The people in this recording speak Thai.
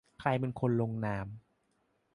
ใครเป็นคนลงนาม